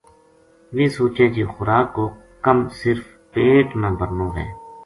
ویہ سوچے جے خوراک کو کم صرف پیٹ نا بھرنو ہوے